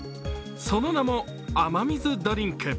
その名も雨水ドリンク。